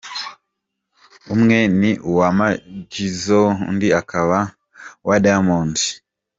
Umwe ni uwa Majizzo undi akaba uwa Diamond.